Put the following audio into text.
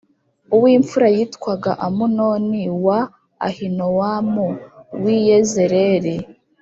uw’imfura yitwaga Amunoni wa Ahinowamu w’i Yezerēli